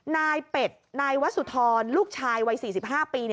นายเป็ดนายวสุธรลูกชายวัย๔๕ปี